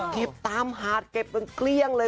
เก็บตามหาดเก็บจนเกลี้ยงเลย